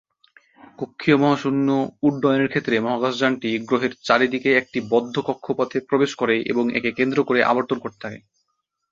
কক্ষীয় মহাশূন্য উড্ডয়নের ক্ষেত্রে মহাকাশযানটি গ্রহের চারদিকে একটি বদ্ধ কক্ষপথে প্রবেশ করে এবং একে কেন্দ্র করে আবর্তন করতে থাকে।